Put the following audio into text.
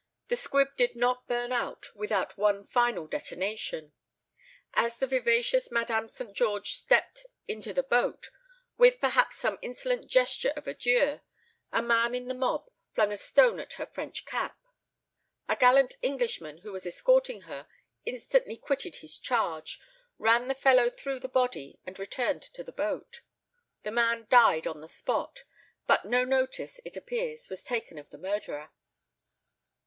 The squib did not burn out without one final detonation. As the vivacious Madame St. George stepped into the boat, with perhaps some insolent gesture of adieu, a man in the mob flung a stone at her French cap. A gallant Englishman who was escorting her instantly quitted his charge, ran the fellow through the body, and returned to the boat. The man died on the spot, but no notice, it appears, was taken of the murderer.